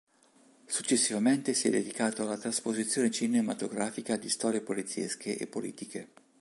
Successivamente si è dedicato alla trasposizione cinematografica di storie poliziesche e politiche.